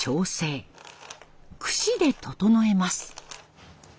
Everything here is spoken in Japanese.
クシで整えます。